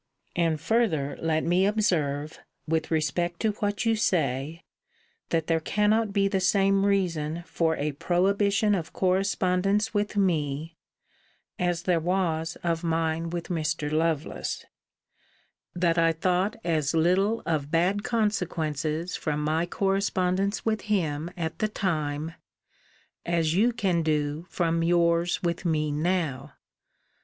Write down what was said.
And further let me observe, with respect to what you say, that there cannot be the same reason for a prohibition of correspondence with me, as there was of mine with Mr. Lovelace; that I thought as little of bad consequences from my correspondence with him at the time, as you can do from yours with me now.